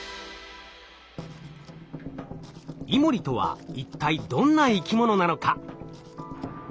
イモリとは一体どんな生き物なのか。